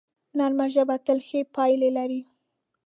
نرمه ژبه تل ښې پایلې لري